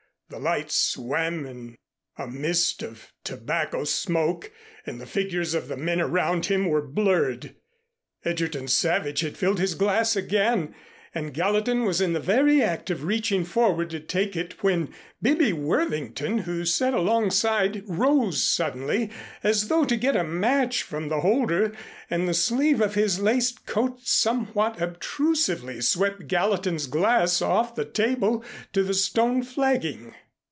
The lights swam in a mist of tobacco smoke and the figures of the men around him were blurred. Egerton Savage had filled his glass again, and Gallatin was in the very act of reaching forward to take it when Bibby Worthington, who sat alongside, rose suddenly as though to get a match from the holder, and the sleeve of his laced coat somewhat obtrusively swept Gallatin's glass off the table to the stone flagging.